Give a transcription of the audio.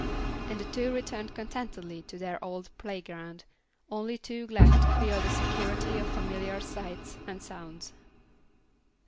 And the two returned contentedly to their old playground, only too glad to feel the security of familiar sights and sounds.